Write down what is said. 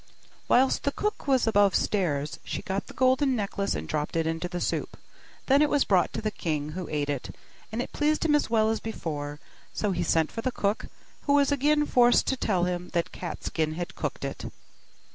Whilst the cook was above stairs, she got the golden necklace and dropped it into the soup; then it was brought to the king, who ate it, and it pleased him as well as before; so he sent for the cook, who was again forced to tell him that Cat skin had cooked it.